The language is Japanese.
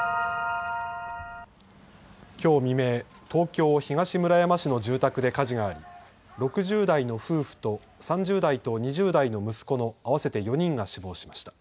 きょう未明、東京東村山市の住宅で火事があり６０代の夫婦と３０代と２０代の息子の合わせて４人が死亡しました。